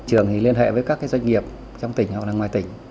trường liên hệ với các doanh nghiệp trong tỉnh hoặc ngoài tỉnh